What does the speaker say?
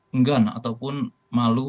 enggan ataupun malu